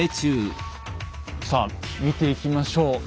さあ見ていきましょう。